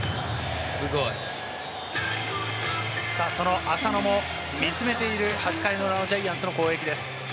その浅野も見つめている８回の裏のジャイアンツの攻撃です。